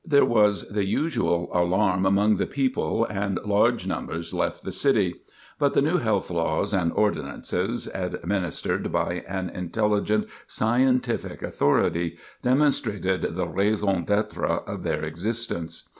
There was the usual alarm among the people, and large numbers left the city. But the new health laws and ordinances, administered by an intelligent, scientific authority, demonstrated the raison d'être of their existence.